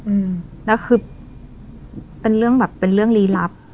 อืมแล้วคือเป็นเรื่องแบบเป็นเรื่องลีลับ